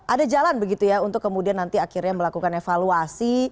ada jalan begitu ya untuk kemudian nanti akhirnya melakukan evaluasi